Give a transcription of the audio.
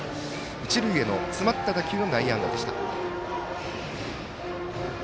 一塁への詰まった打球の内野安打でした。